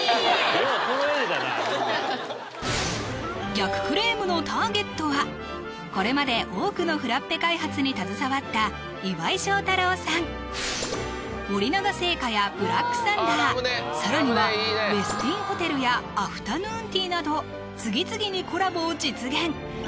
逆クレームのターゲットはこれまで多くのフラッペ開発に携わった森永製菓やブラックサンダー更にはウェスティンホテルやＡｆｔｅｒｎｏｏｎＴｅａなど次々にコラボを実現！